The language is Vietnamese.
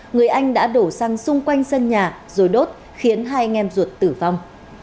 người anh đã đổ xăng xung quanh sân nhà rồi đốt khiến hai anh em ruột tử vong